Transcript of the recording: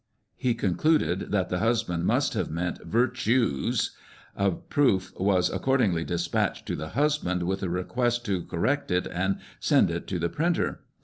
He concluded that the husband must have meant virtues. A proof was accordingly despatched to the husDand, with a request to correct it and send it to the printer.